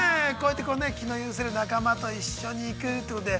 ◆気の許せる仲間と行くということで。